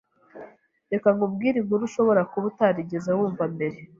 Reka nkubwire inkuru ushobora kuba utarigeze wumva mbere.